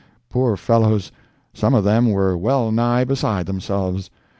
Poor fellows, some of them were well nigh beside themselves.